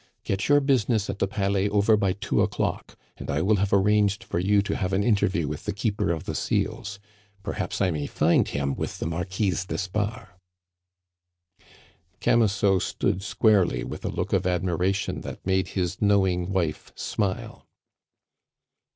Get your business at the Palais over by two o'clock, and I will have arranged for you to have an interview with the Keeper of the Seals; perhaps I may find him with the Marquise d'Espard." Camusot stood squarely with a look of admiration that made his knowing wife smile.